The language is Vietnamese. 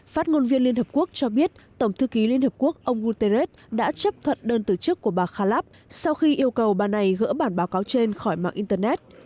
phát ngôn viên liên hợp quốc cho biết tổng thư ký liên hợp quốc ông guterres đã chấp thuận đơn từ chức của bà khalab sau khi yêu cầu bà này gỡ bản báo cáo trên khỏi mạng internet